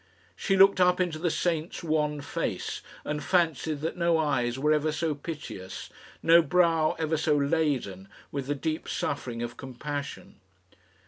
She looked up into the saint's wan face, and fancied that no eyes were ever so piteous, no brow ever so laden with the deep suffering of compassion.